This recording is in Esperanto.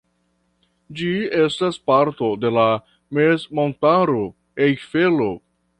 Ĝi estas parto de la mezmontaro Ejfelo.